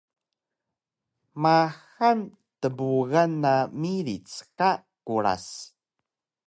Maxal tnbugan na miric ka Kuras